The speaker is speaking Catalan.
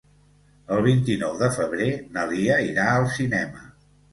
El vint-i-nou de febrer na Lia irà al cinema.